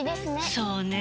そうねぇ。